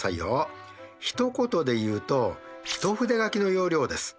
ひと言で言うと一筆書きの要領です。